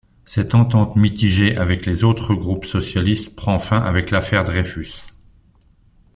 Cette entente mitigée avec les autres groupes socialistes prend fin avec l'Affaire Dreyfus.